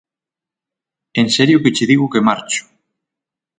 En serio que che digo que marcho.